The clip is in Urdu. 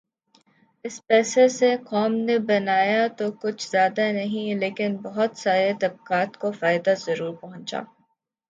اس پیسے سے قوم نے بنایا تو کچھ زیادہ نہیں لیکن بہت سارے طبقات کو فائدہ ضرور پہنچا۔